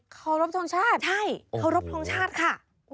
เคารพทรงชาติใช่เคารพทรงชาติค่ะ